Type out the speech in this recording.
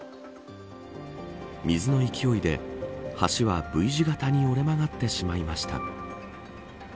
水の勢いで橋はＶ字型に折れ曲がってしまいました。